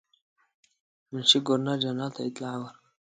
منشي ګورنر جنرال ته اطلاع ورکړه.